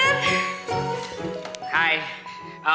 terima kasih han